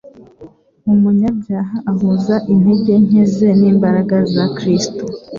Umunyabyaha ahuza intege nke ze n'imbaraga za Kristo,